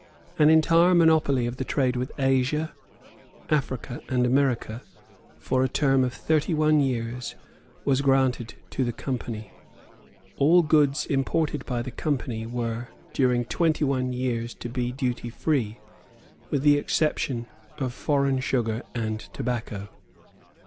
An entire monopoly of the trade with Asia, Africa and America, for a term of thirty one years, was granted to the Company. All goods imported by the Company were during twenty one years to be duty free, with the exception of foreign sugar and tobacco.